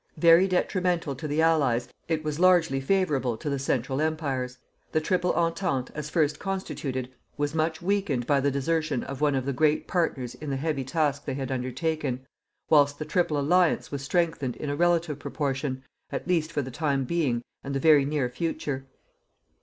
Very detrimental to the Allies, it was largely favourable to the Central Empires. The "Triple Entente" as first constituted, was much weakened by the desertion of one of the great partners in the heavy task they had undertaken, whilst the "Triple Alliance" was strengthened in a relative proportion, at least for the time being and the very near future.